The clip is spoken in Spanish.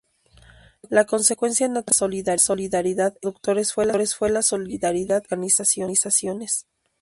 La consecuencia natural de la solidaridad entre productores fue la solidaridad entre organizaciones.